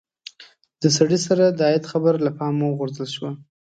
د سړي سر عاید خبره له پامه وغورځول شوه.